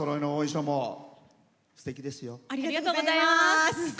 ありがとうございます！